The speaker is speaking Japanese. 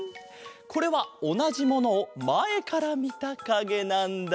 これはおなじものをまえからみたかげなんだ。